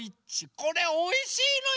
これおいしいのよ。